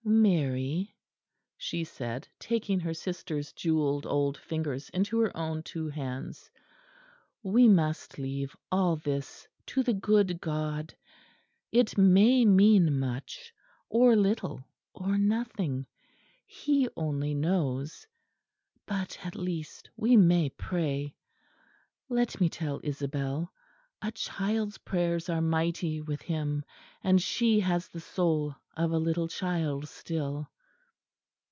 "Mary," she said, taking her sister's jewelled old fingers into her own two hands, "we must leave all this to the good God. It may mean much, or little, or nothing. He only knows; but at least we may pray. Let me tell Isabel; a child's prayers are mighty with Him; and she has the soul of a little child still."